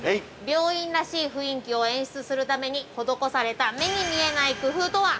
病院らしい雰囲気を演出するために施されために目に見えない工夫とは。